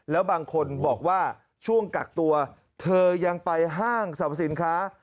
แล้วบางคนบอกว่าช่วงกักตัวเธอยังไปห้างสรรพสินค้า